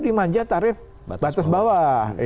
dimanja tarif batas bawah